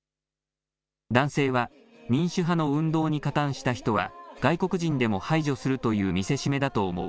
男性は民主派の運動に加担した人は、外国人でも排除するという見せしめだと思う。